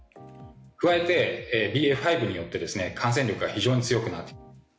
加えて、ＢＡ．５によって感染力が非常に強くなっている。